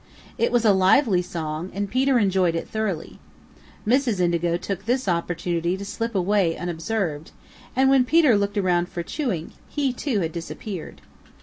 It was a lively song and Peter enjoyed it thoroughly. Mrs. Indigo took this opportunity to slip away unobserved, and when Peter looked around for Chewink, he too had disappeared.